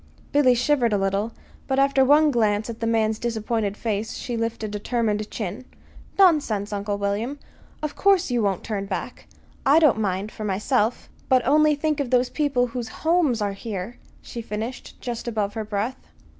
Billy shivered a little; but after one glance at the man's disappointed face she lifted a determined chin. "Nonsense, Uncle William! Of course you won't turn back. I don't mind for myself; but only think of the people whose homes are here," she finished, just above her breath.